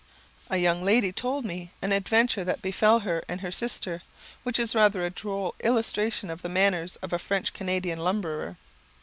A young lady told me an adventure that befell her and her sister, which is rather a droll illustration of the manners of a French Canadian lumberer.